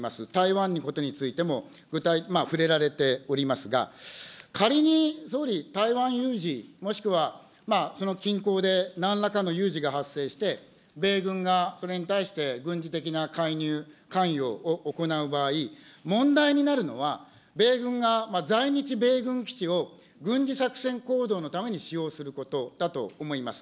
台湾のことについても具体的に触れられておりますが、仮に総理、台湾有事、もしくはその近郊でなんらかの有事が発生して、米軍がそれに対して、軍事的な介入、関与を行う場合、問題になるのは、米軍が在日米軍基地を軍事作戦行動のために使用することだと思います。